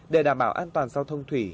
để đảm bảo an toàn sau thông thủy